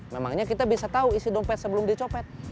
memangnya kita bisa tahu isi dompet sebelum dicopet